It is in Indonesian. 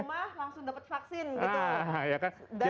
jadi beli rumah langsung dapat vaksin gitu